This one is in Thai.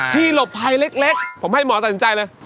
หลบภัยเล็กผมให้หมอตัดสินใจเลย